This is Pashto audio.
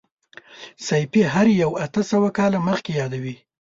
سیفي هروي اته سوه کاله مخکې یادوي.